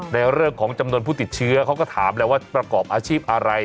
ในเรื่องของจำนวนผู้ติดเชื้อเขาก็ถามแล้วว่าประกอบอาชีพอะไร